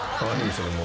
それも。